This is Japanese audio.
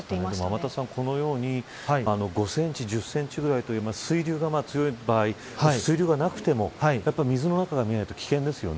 天達さん、このように５センチ１０センチぐらいという水流が強い場合水流がなくても水の中が見えると危険ですね。